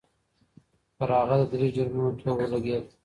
پر هغه د درې جرمونو تور ولګېد.